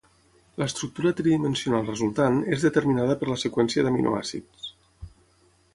L'estructura tridimensional resultant és determinada per la seqüència d'aminoàcids.